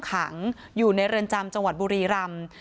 พร้อมด้วยผลตำรวจเอกนรัฐสวิตนันอธิบดีกรมราชทัน